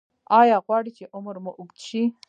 ایا غواړئ چې عمر مو اوږد شي؟